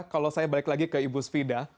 kalau saya balik lagi ke ibu svida